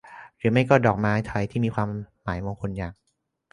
หรือไม่ก็ดอกไม้ไทยที่มีความหมายมงคลอย่าง